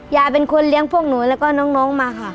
ยายเป็นคนเลี้ยงพวกหนูแล้วก็น้องมาค่ะ